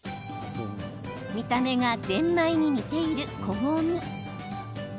見た目がぜんまいに似ているこごみ。